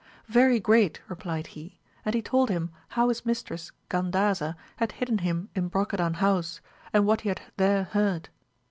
Very great, replied he, and he told him how his mistress Gandaza had hidden him in Brocadan house, and what he had there heard.